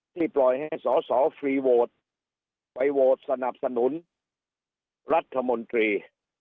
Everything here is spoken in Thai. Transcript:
ปล่อยให้สอสอฟรีโวทไปโหวตสนับสนุนรัฐมนตรี